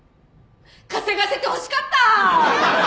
稼がせてほしかった！